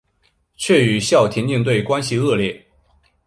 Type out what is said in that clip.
却与校田径队关系恶劣。